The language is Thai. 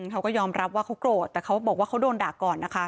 เขาก็ยอมรับว่าเขาโกรธแต่เขาบอกว่าเขาโดนด่าก่อนนะคะ